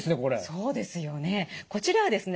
そうですよね。